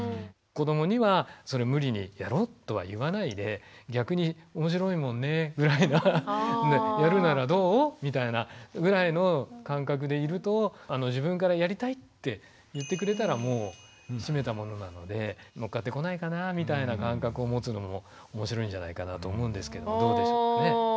子どもにはそれ無理にやろうとは言わないで逆に「おもしろいもんね」ぐらいな。「やるならどう？」みたいなぐらいの感覚でいると自分からやりたいって言ってくれたらもうしめたものなので乗っかってこないかなみたいな感覚を持つのもおもしろいんじゃないかなと思うんですけどどうでしょうかね。